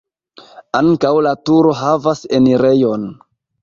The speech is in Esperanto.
Ankaŭ la turo havas enirejon.